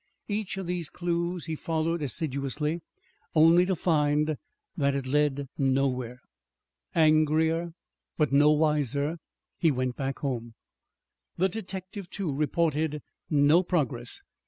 Each of these clues he followed assiduously, only to find that it led nowhere. Angrier, but no wiser, he went back home. The detective, too, reported no progress.